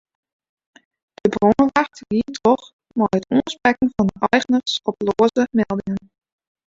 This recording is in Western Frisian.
De brânwacht giet troch mei it oansprekken fan de eigeners op loaze meldingen.